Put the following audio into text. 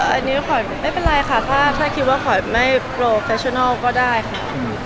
อันนี้ขอไม่เป็นไรค่ะถ้าคิดว่าขอไม่โปรแฟชนัลก็ได้ค่ะ